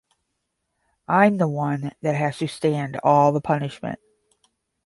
I'm the one that has to stand all the punishment.